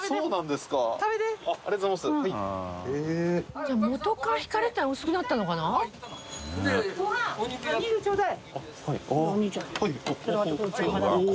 じゃあ元から引かれてたのが薄くなったのかな佑АΔ錣